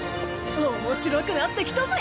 面白くなってきたぜ！